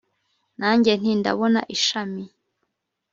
nanjye nti ndabona ishami